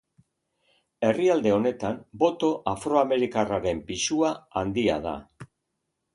Herrialde honetan, boto afroamerikarraren pisua handia da.